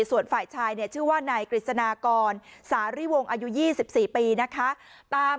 ส่วนฝ่ายชายชื่อว่านายกฤษณากรสาริวงศ์อายุ๒๔ปีนะคะ